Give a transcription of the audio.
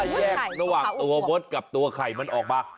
แยกระหว่างตัวมดกับตัวไข่มันออกมา